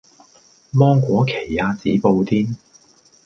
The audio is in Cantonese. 芒果奇亞籽布甸